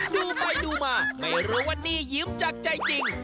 ดูไปดูมาไม่รู้ว่านี่ยิ้มจากใจจริง